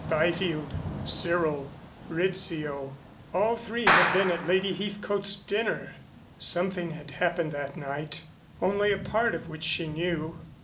Byfield Cyril Rizzio all three had been at Lady Heathcote's dinner. Something had happened that night only a part of which she knew.